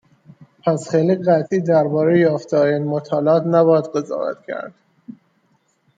پس خیلی قطعی درباره یافتههای این مطالعات نباید قضاوت کرد.